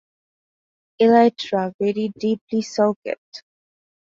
Elytra very deeply sulcate.